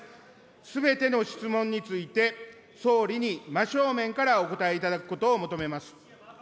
すべての質問について、総理に真正面からお答えいただくことを求めます。